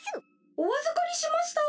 お預かりしました。